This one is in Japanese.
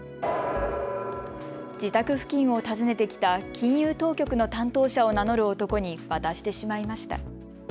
自宅付近を訪ねてきた金融当局の担当者を名乗る男に渡してしまいました。